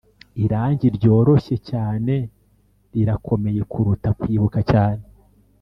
irangi ryoroshye cyane rirakomeye kuruta kwibuka cyane